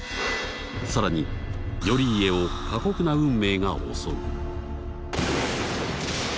更に頼家を過酷な運命が襲う。